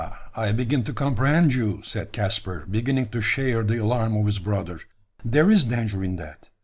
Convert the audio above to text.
I begin to comprehend you," said Caspar, beginning to share the alarm of his brother. "There is danger in that.